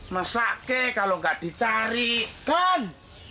masa ke kalau nggak dicarikan